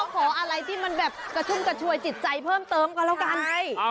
ขออะไรที่มันกระชุมกระชวยจิตใจเติมกำลังกัน